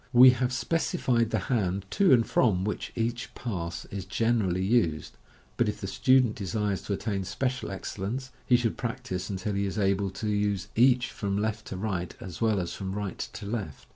We have speci fied the hand to and from which each pass is generally used 5 but if the student de sires to attain special excel lence, he should practise until he is able to use each from left to right, as well as from right to left.